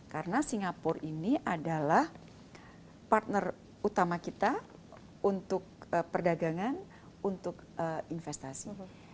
karena singapura ini adalah partner utama kita untuk perdagangan untuk investasi